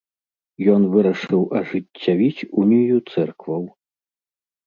Ён вырашыў ажыццявіць унію цэркваў.